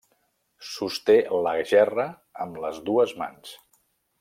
Sosté la gerra amb les dues mans.